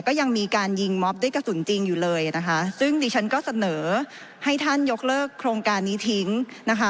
ก็ยังมีการยิงม็อบด้วยกระสุนจริงอยู่เลยนะคะซึ่งดิฉันก็เสนอให้ท่านยกเลิกโครงการนี้ทิ้งนะคะ